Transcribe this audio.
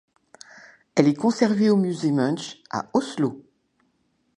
Elle est conservée au musée Munch, à Oslo.